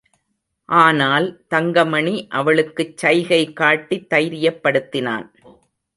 ஆனால், தங்கமணி அவளுக்குச் சைகை காட்டித் தைரியப்படுத்தினான்.